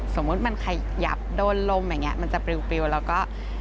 สมมติมันขยับโดนลมมันจะเปรี้ยวแล้วก็